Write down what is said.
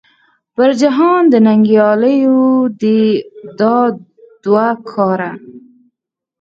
پر جهان د ننګیالو دې دا دوه کاره .